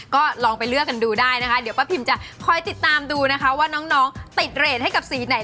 ก็ลองไปเลือกกันดูได้นะคะเดี๋ยวป้าพิมจะคอยติดตามดูนะคะว่าน้องติดเรทให้กับสีไหน